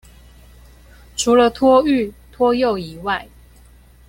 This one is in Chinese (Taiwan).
除了托育、托幼以外